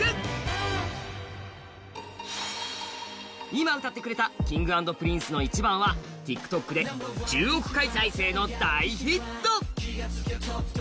今、歌ってくれたＫｉｎｇ＆Ｐｒｉｎｃｅの「ｉｃｈｉｂａｎ」はＴｉｋＴｏｋで１０億回再生の大ヒット。